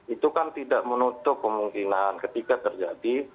itu kan tidak menutup kemungkinan ketika terjadi